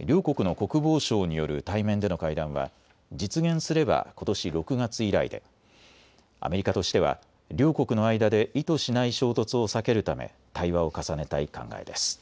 両国の国防相による対面での会談は実現すればことし６月以来でアメリカとしては両国の間で意図しない衝突を避けるため対話を重ねたい考えです。